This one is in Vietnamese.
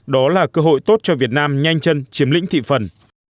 đó là cơ hội tốt cho việt nam nhanh chân chiếm lĩnh thị phần